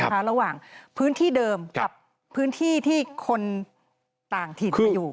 ระหว่างพื้นที่เดิมกับพื้นที่ที่คนต่างถิ่นมาอยู่